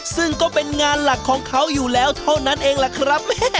ซึ่งก็เป็นงานหลักของเขาอยู่แล้วเท่านั้นเองล่ะครับ